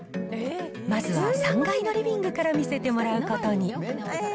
まずは３階のリビングから見せてもらうことに。